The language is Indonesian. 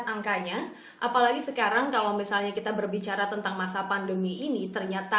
angkanya apalagi sekarang kalau misalnya kita berbicara tentang masa pandemi ini ternyata